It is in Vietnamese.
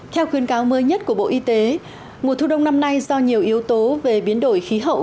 theo khuyến cáo mới nhất của bộ y tế mùa thu đông năm nay do nhiều yếu tố về biến đổi khí hậu